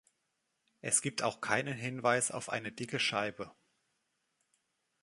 Es gibt auch keinen Hinweis auf eine dicke Scheibe.